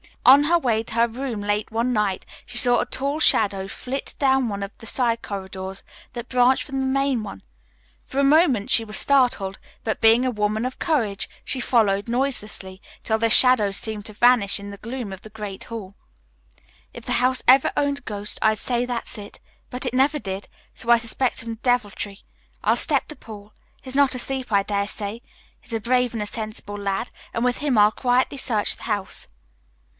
On her way to her room late one night, she saw a tall shadow flit down one of the side corridors that branched from the main one. For a moment she was startled, but, being a woman of courage, she followed noiselessly, till the shadow seemed to vanish in the gloom of the great hall. "If the house ever owned a ghost I'd say that's it, but it never did, so I suspect some deviltry. I'll step to Paul. He's not asleep, I dare say. He's a brave and a sensible lad, and with him I'll quietly search the house."